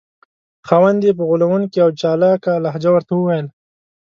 خاوند یې په غولونکې او چالاکه لهجه ورته وویل.